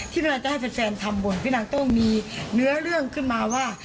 ที่เป็นอะไรจะให้เพจแฟนทำบ่นพี่นางต้องมีเงินเรื่องขึ้นมาว่า